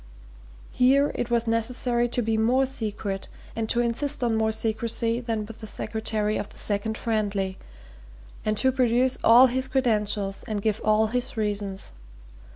Here it was necessary to be more secret, and to insist on more secrecy than with the secretary of the Second Friendly, and to produce all his credentials and give all his reasons.